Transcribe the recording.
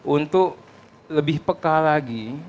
untuk lebih peka lagi